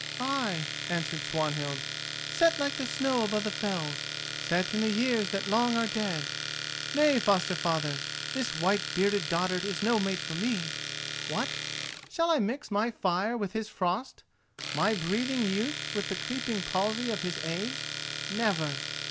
"Ay," answered Swanhild, "set like the snow above the fells, set in the years that long are dead. Nay, foster father, this white bearded dotard is no mate for me. What! shall I mix my fire with his frost, my breathing youth with the creeping palsy of his age? Never!